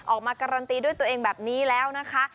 ออกมาการันตีด้วยตัวเองแบบนี้แล้วนะคะ